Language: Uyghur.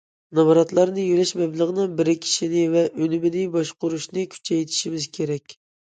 نامراتلارنى يۆلەش مەبلىغىنىڭ بىرىكىشىنى ۋە ئۈنۈمىنى باشقۇرۇشنى كۈچەيتىشىمىز كېرەك.